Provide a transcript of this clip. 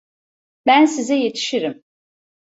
Ben size yetişirim.